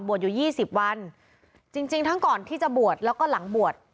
อยู่ยี่สิบวันจริงจริงทั้งก่อนที่จะบวชแล้วก็หลังบวช